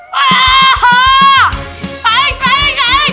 baik baik baik